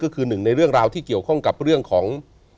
ก็คือหนึ่งในเรื่องราวที่เกี่ยวข้องกับเรื่องของ